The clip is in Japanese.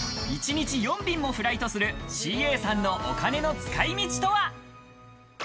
１日４便もフライトするＣＡさんのお金の使い道とは？